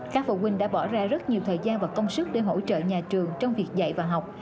các phụ huynh đã bỏ ra rất nhiều thời gian và công sức để hỗ trợ nhà trường trong việc dạy và học